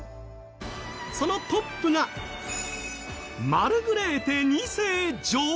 そのトップがマルグレーテ２世女王。